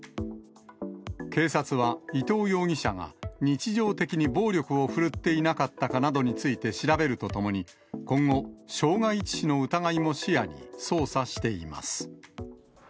警察は伊藤容疑者が、日常的に暴力を振るっていなかったかなどについて、調べるとともに、今後、傷害致死の疑いも視野に、捜査しています。